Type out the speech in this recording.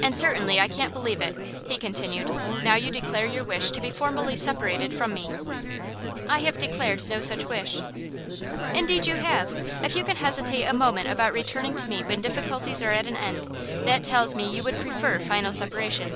'And certainly I can't believe it,' he continued, 'now you declare your wish to be formally separated from me.' 'I have declared no such wish.' 'Indeed you have. If you can hesitate a moment about returning to me when difficulties are at an end, that tells me you would prefer final separation.